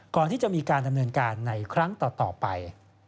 ก่อนที่จะมีการดำเนินการในครั้งต่อไป